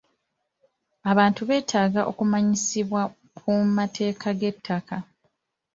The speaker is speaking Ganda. Abantu beetaaga okumanyisibwa ku mateeka g'ettaka.